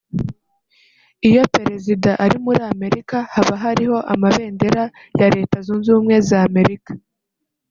iyo Perezida ari muri Amerika haba hariho amabendera ya Leta Zunze Ubumwe za Amerika